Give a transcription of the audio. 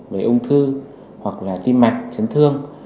về ung thư hoặc là tim mạch chấn thương